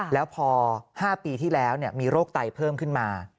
แล้วพอ๕ปีที่แล้วมีโรคไตเพิ่มขึ้นมา